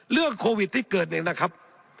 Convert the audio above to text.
เรื่องโควิดที่เกิดเนี่ยนะครับ